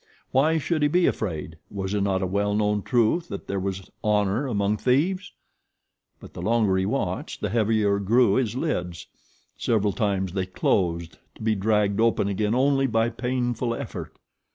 Why should he be afraid? Was it not a well known truth that there was honor among thieves? But the longer he watched the heavier grew his lids. Several times they closed to be dragged open again only by painful effort.